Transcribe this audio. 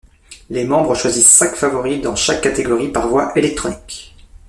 Les membres choisissent cinq favoris dans chaque catégorie par voie électronique.